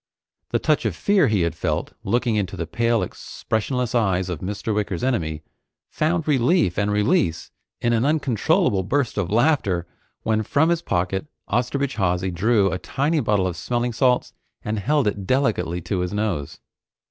The touch of fear he had felt, looking into the pale expressionless eyes of Mr. Wicker's enemy, found relief and release in an uncontrollable burst of laughter when from his pocket Osterbridge Hawsey drew a tiny bottle of smelling salts and held it delicately to his nose.